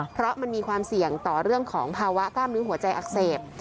เพราะมันมีความเสี่ยงต่อเรื่องของภาวะกล้ามเนื้อหัวใจอักเสบ